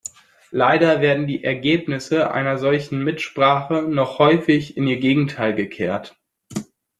Leider werden die Ergebnisse einer solche Mitsprache noch häufig in ihr Gegenteil gekehrt.